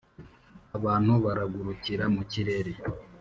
Abantu baragurukira mu kirere